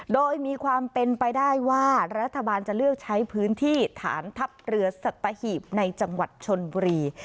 โดยมีความเป็นไปได้ว่ารัฐบาลจะเลือกใช้พื้นที่ฐานทัพเรือสัตหีบในจังหวัดชนบุรี